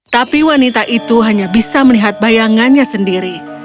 tapi wanita itu hanya bisa melihat bayangannya sendiri